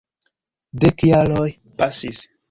Dek jaroj pasis.